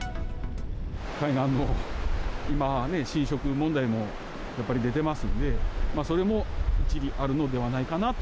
海岸も今ね、浸食問題もやっぱり出てますので、それも一理あるのではないかなと。